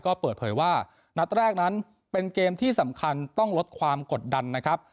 ก็เปิดเผยว่านัดแรกนั้นเป็นเกมที่สำคัญต้องลดความกดดันนะครับ